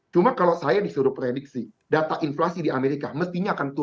cuma kalau saya disuruh prediksi data inflasi di amerika mestinya akan turun